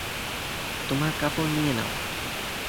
তোমার কাপড় নিয়ে নাও।